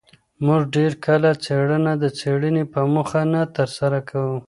موږ ډېر کله څېړنه د څېړني په موخه نه ترسره کوو.